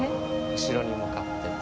後ろに向かって前進。